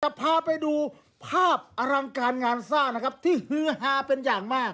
พาไปดูภาพอลังการงานสร้างนะครับที่ฮือฮาเป็นอย่างมาก